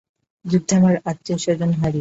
যুদ্ধে আমার আত্মীয়-স্বজন হারিয়েছি।